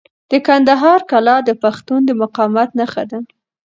د کندهار کلا د پښتنو د مقاومت نښه ده.